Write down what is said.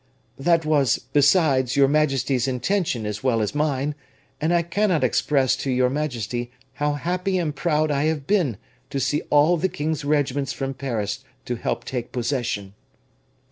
"That was, besides, your majesty's intention as well as mine; and I cannot express to your majesty how happy and proud I have been to see all the king's regiments from Paris to help take possession."